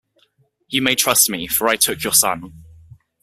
You may trust me, for I took your son.